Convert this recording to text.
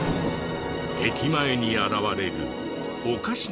駅前に現れるおかしな